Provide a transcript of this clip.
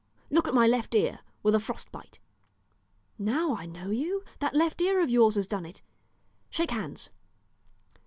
Look at my left ear, with a frost bite." "Now I know you; that left ear of yours has done it; Shake hands."